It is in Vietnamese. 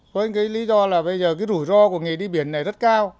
với cái lý do là bây giờ cái rủi ro của nghề đi biển này rất cao